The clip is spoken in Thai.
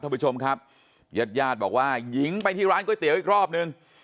ท่านผู้ชมครับญาติญาติบอกว่าหญิงไปที่ร้านก๋วยเตี๋ยวอีกรอบนึง